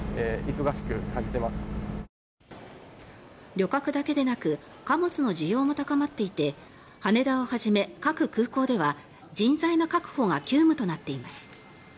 旅客だけでなく貨物の需要も高まっていて羽田をはじめ各空港では人材の確保が急務となっています。